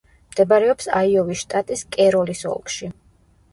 მდებარეობს აიოვის შტატის კეროლის ოლქში.